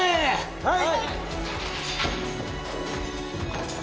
はい！